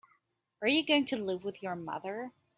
Are you going to live with your mother?